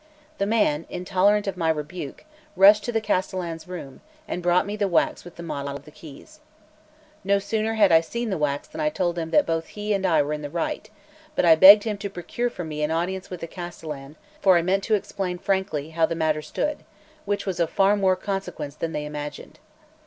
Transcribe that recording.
The man, intolerant of my rebuke, rushed to the castellan's room, and brought me the wax with the model of the keys. No sooner had I seen the wax than I told him that both he and I were in the right; but I begged him to procure for me an audience with the castellan, for I meant to explain frankly how the matter stood, which was of far more consequence than they imagined.